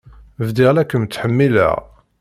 Bdiɣ la kem-ttḥemmileɣ.